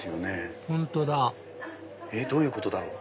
本当だどういうことだろう？